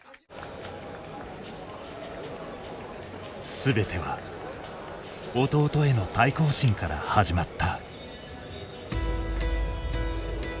全ては弟への対抗心から始まった。